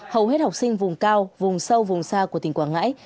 hầu hết học sinh vùng cao vùng sâu vùng xa của tỉnh quảng ngãi